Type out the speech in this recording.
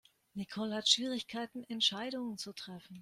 Nicole hat Schwierigkeiten Entscheidungen zu treffen.